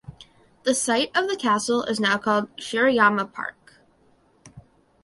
The site of the castle is now called Shiroyama Park.